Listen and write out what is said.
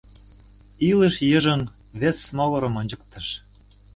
Илыш йыжыҥ вес могырым ончыктыш.